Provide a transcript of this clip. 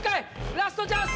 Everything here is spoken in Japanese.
ラストチャンス！